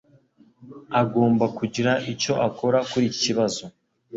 agomba kugira icyo akora kuri iki kibazo.